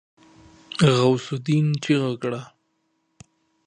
غوث االدين چيغه کړه.